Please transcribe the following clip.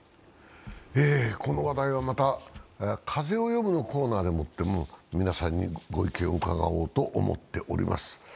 この話題はまた「風をよむ」のコーナーでも皆さんにご意見を伺おうと思っております。